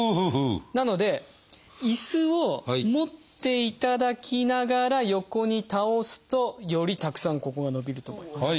なので椅子を持っていただきながら横に倒すとよりたくさんここが伸びると思います。